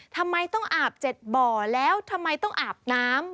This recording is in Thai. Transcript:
ทำไมต้องอาบ๗บ่อแล้วทำไมต้องอาบน้ำ